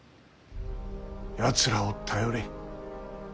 やつらを頼れ。